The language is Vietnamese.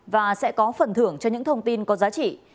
và sẽ có phần thưởng cho những thông tin có giá trị